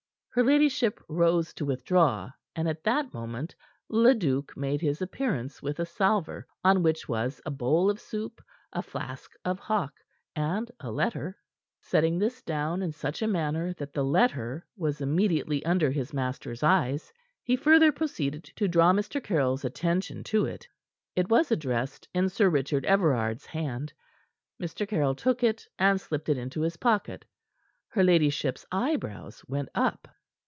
Her ladyship rose to withdraw, and at that moment Leduc made his appearance with a salver, on which was a bowl of soup, a flask of Hock, and a letter. Setting this down in such a manner that the letter was immediately under his master's eyes, he further proceeded to draw Mr. Caryll's attention to it. It was addressed in Sir Richard Everard's hand. Mr. Caryll took it, and slipped it into his pocket. Her ladyship's eyebrows went up.